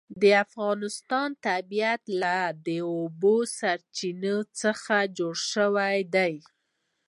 د افغانستان طبیعت له د اوبو سرچینې څخه جوړ شوی دی.